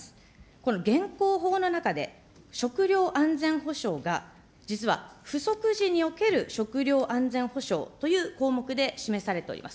この現行法の中で食料安全保障が、実は不測時における食料安全保障という項目で示されております。